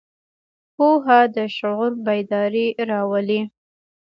پوهه د شعور بیداري راولي.